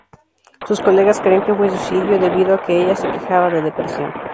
Sus colegas creen que fue suicidio debido a que ella se quejaba de depresión.